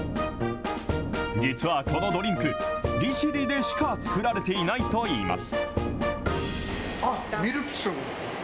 実はこのドリンク、利尻でしか作られていないといいます。